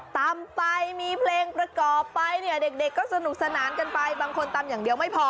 ตำไปมีเพลงประกอบไปเนี่ยเด็กก็สนุกสนานกันไปบางคนตำอย่างเดียวไม่พอ